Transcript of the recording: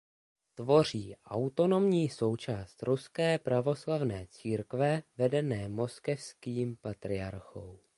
Tvoří autonomní součást Ruské pravoslavné církve vedené moskevským patriarchou.